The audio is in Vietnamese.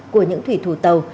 của những thủy thủ tàu